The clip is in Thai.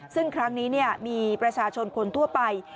ซึ่งครั้งนี้มีประชาชนคนทั่วไป